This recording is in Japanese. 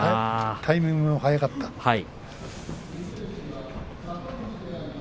タイミングが早かったね。